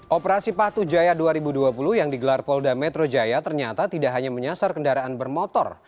operasi patu jaya dua ribu dua puluh yang digelar polda metro jaya ternyata tidak hanya menyasar kendaraan bermotor